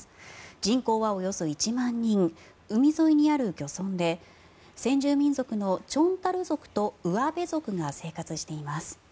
人口はおよそ１万人海沿いにある漁村で先住民族のチョンタル族とウアベ族が生活しています。